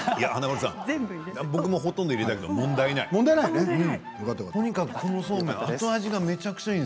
僕もほとんど入れたけど問題ない。